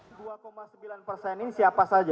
di dua sembilan persen ini siapa saja